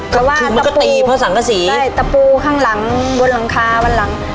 เพราะว่ามันก็ตีเพราะสังกษีใช่ตะปูข้างหลังบนหลังคาวันหลัง